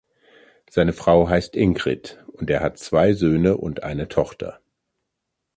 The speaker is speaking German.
Seine Frau heißt Ingrid und er hat zwei Söhne und eine Tochter.